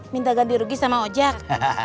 minta ganti rugi sama ojek